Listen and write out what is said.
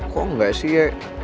kok gak sih ya